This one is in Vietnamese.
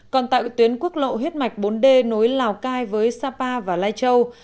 còn tại tuyến quốc lộ hết mạch bốn d nối lào cai với sapa và lai châu